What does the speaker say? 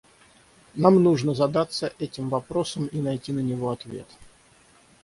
Нам нужно задаться этим вопросом и найти на него ответ.